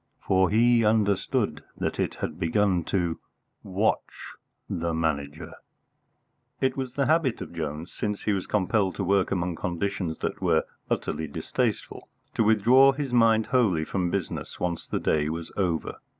For he understood that it had begun to watch the Manager! II It was the habit of Jones, since he was compelled to work among conditions that were utterly distasteful, to withdraw his mind wholly from business once the day was over.